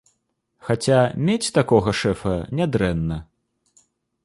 Хаця мець такога шэфа нядрэнна.